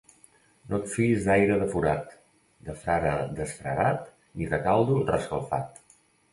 No et fiïs d'aire de forat, de frare desfrarat ni de caldo reescalfat.